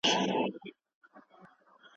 د نرګس او د غاټول له سترګو توی کړل